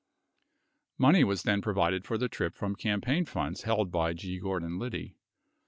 63 Money was then provided for the trip from campaign funds held by G. Gordon Liddy.